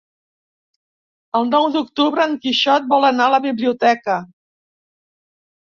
El nou d'octubre en Quixot vol anar a la biblioteca.